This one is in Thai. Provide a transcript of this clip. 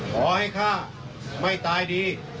ขอให้ฆ่าไม่ตายดี